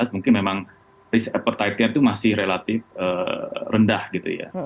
mungkin memang risk appetite nya itu masih relatif rendah gitu ya